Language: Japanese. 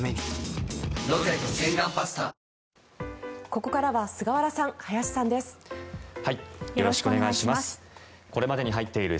ここからは菅原さん、林さんです。